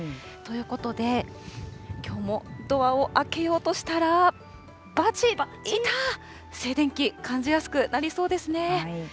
ということで、きょうもドアを開けようとしたら、ばちばち、いたっ、静電気、感じやすくなりそうですね。